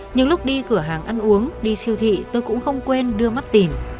những lúc đi cửa hàng ăn uống đi siêu thị tôi cũng không quên đưa mắt tìm